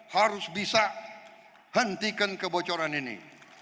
harus bisa hentikan kebocoran ini